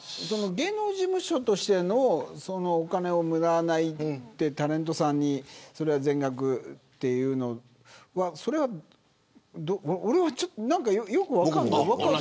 芸能事務所としてのお金をもらわないタレントさんに全額というのは俺は何かよく分からない。